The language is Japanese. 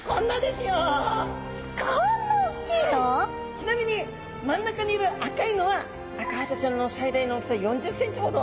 ちなみに真ん中にいる赤いのはアカハタちゃんの最大の大きさ４０ｃｍほど。